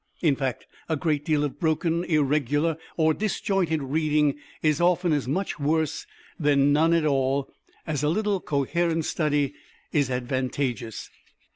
In fact, a great deal of broken, irregular or disjointed reading is often as much worse than none at all, as a little coherent study is advantageous.